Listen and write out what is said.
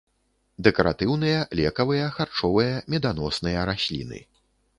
Дэкаратыўныя, лекавыя, харчовыя, меданосныя расліны.